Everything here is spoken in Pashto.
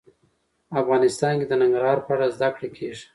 افغانستان کې د ننګرهار په اړه زده کړه کېږي.